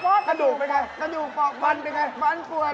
ผัวดูบอยไงมันเป็นไงมันป่วยมีอะไร